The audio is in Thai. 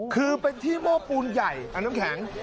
คือเป็นที่หม้อปูนใหญ่น้ำแข็ง